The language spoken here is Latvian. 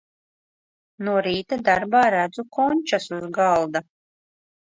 No rīta darbā redzu končas uz galda.